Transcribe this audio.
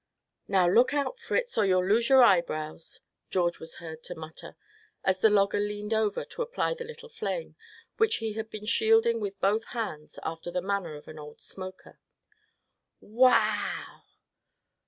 "Now, look out, Fritz, or you'll lose your eyebrows!" George was heard to mutter; as the logger leaned over to apply the little flame, which he had been shielding with both hands, after the manner of an old smoker. "Wow!"